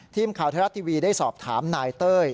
ทีมข่าวธรรมดิวีได้สอบถามนายเต้ย